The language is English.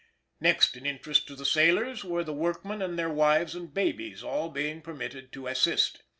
Next in interest to the sailors were the workmen and their wives and babies, all being permitted to assist.